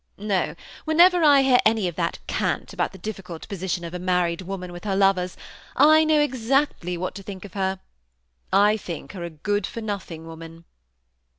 No, when ever I hear any of that cant about the difficult position of a married woman with her lovers, T know exactly what to think of her ; I think her A good for nothing woman."